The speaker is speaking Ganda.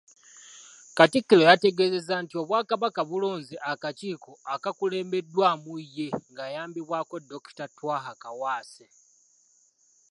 Katikkiro yategeezezza nti Obwakabaka bulonze akakiiko akakulembeddwamu ye ng’ayambibwako Dr. Twaha Kaawaase.